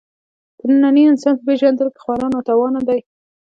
د ننني انسان په پېژندلو کې خورا ناتوانه دی.